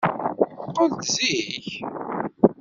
Qqel-d zik!